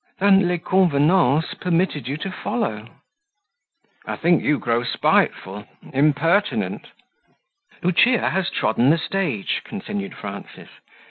"Than 'les convenances' permitted you to follow." "I think you grow spiteful impertinent." "Lucia has trodden the stage," continued Frances.